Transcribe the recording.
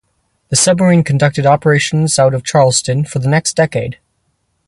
The submarine conducted operations out of Charleston for the next decade.